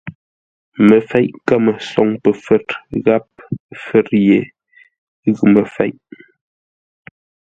Məfeʼ kəmə soŋ pəfə̌r gháp fə̌r ye ghʉ məfeʼ.